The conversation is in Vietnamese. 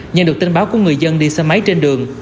nhận được tin báo của người dân đi xe máy trên đường